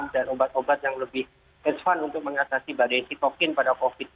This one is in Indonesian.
dan obat obat yang lebih hedge fund untuk mengatasi badai sitokin pada covid